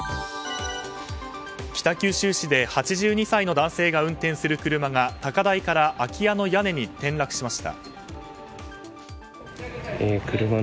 北九州市で８２歳の男性が運転する車が高台から空き家の屋根に転落しました。